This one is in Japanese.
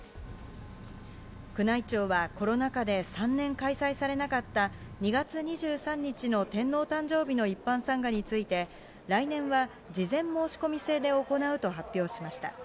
宮内庁はコロナ禍で３年開催されなかった、２月２３日の天皇誕生日の一般参賀について、来年は事前申し込み制で行うと発表しました。